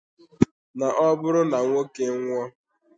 na ọ bụrụ na nwoke nwụọ